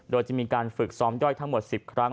โดยจะมีการฝึกซ้อมย่อยทั้งหมด๑๐ครั้ง